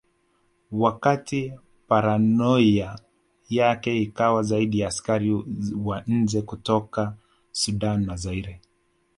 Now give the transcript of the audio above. Wakati paranoia yake ikawa zaidi ya askari wa nje kutoka Sudan na Zaire